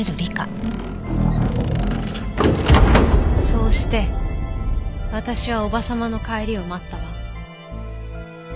そうして私は叔母様の帰りを待ったわ。